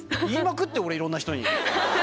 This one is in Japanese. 言いまくってるよ、俺いろんな人に。